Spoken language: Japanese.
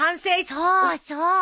そうそう！